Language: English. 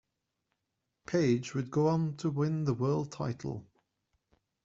Page would go on to win the world title.